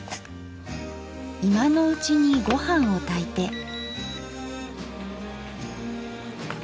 今のうちにご飯を炊いて。